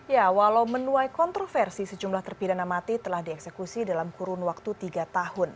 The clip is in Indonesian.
ya walau menuai kontroversi sejumlah terpidana mati telah dieksekusi dalam kurun waktu tiga tahun